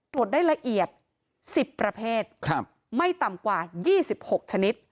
ตรวจได้ละเอียด๑๐ประเภทไม่ต่ำกว่า๒๖ชนิด